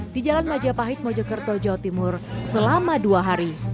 di jalan majapahit mojokerto jawa timur selama dua hari